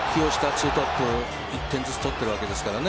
２トップ１点ずつ取っているわけですからね。